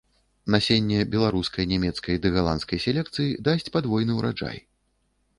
Насенне беларускай, нямецкай ды галандскай селекцыі дасць падвойны ўраджай.